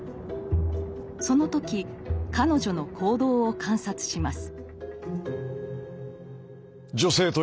その時彼女の行動を観察します。